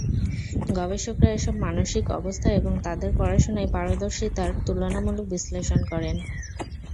গবেষকেরা এসব মানসিক অবস্থা এবং তাদের পড়াশোনায় পারদর্শিতার তুলনামূলক বিশ্লেষণ করেন।